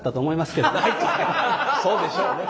そうでしょうね。